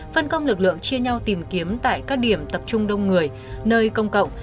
phân công lực lượng chia nhau tìm kiếm tại các điểm tập trung đông người nơi công cộng